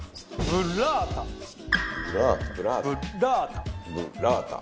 ブッラータ。